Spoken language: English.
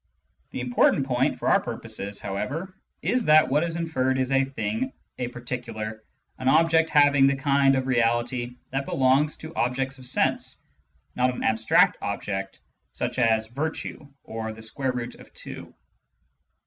The important point, for our present purpose, however, is that what is inferred is a "thing," a "particular," an object having the kind of reality that belongs to objects of sense, not an abstract object such as virtue or the square root of two.